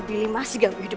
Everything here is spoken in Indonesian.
bili masih gak bisa hidup